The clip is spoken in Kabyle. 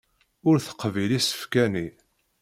Ur teqbil isefka-nni.